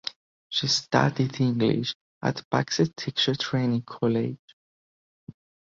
She studied English at Pakse Teacher Training College.